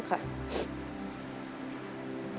ขอบคุณครับ